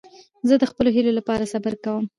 زه د خپلو هیلو له پاره صبر کوم.